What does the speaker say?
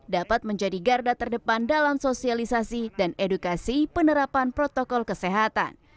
dapat menjadi garda terdepan dalam sosialisasi dan edukasi penerapan protokol kesehatan